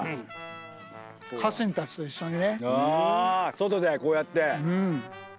外でこうやって。